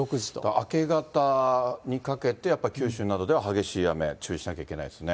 明け方にかけて、やっぱり九州などでは激しい雨に注意しなきゃいけないですね。